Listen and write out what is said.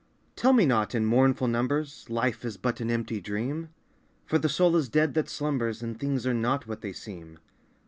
Tell me not, in mournful numbers, Life is but an empty dream ! For the soul is dead that slumbers. And things are not what they seem.